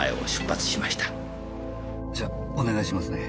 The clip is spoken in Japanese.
じゃお願いしますね。